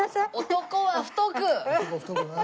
男は太くね。